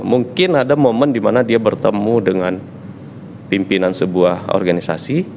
mungkin ada momen di mana dia bertemu dengan pimpinan sebuah organisasi